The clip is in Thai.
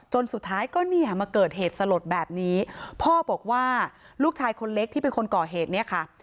สุดท้ายก็เนี่ยมาเกิดเหตุสลดแบบนี้พ่อบอกว่าลูกชายคนเล็กที่เป็นคนก่อเหตุเนี่ยค่ะ